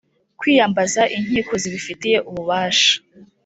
kwiyambaza inkiko zibifitiye ububasha